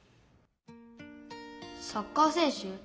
サッカー選手？